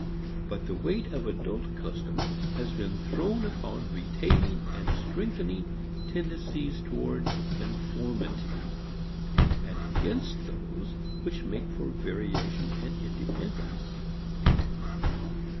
But the weight of adult custom has been thrown upon retaining and strengthening tendencies toward conformity, and against those which make for variation and independence.